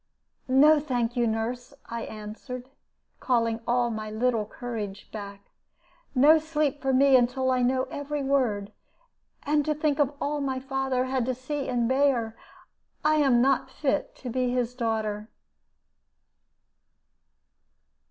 "No, thank you, nurse," I answered, calling all my little courage back. "No sleep for me until I know every word. And to think of all my father had to see and bear! I am not fit to be his daughter."